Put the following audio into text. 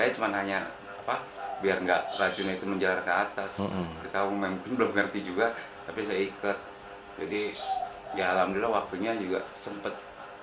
jadi ya alhamdulillah waktunya juga sempat